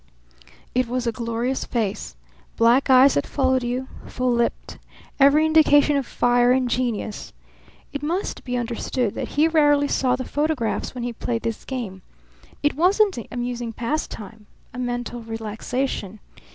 It was a glorious face black eyes that followed you; full lipped; every indication of fire and genius. It must be understood that he rarely saw the photographs when he played this game. It wasn't an amusing pastime, a mental relaxation.